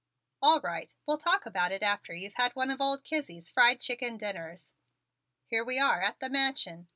"All right, we'll talk about it after you've had one of old Kizzie's fried chicken dinners. Here we are at the Mansion.